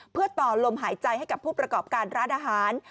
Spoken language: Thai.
เพื่อต่อลมหายใจให้กับผู้ประกอบการร้านอาหาร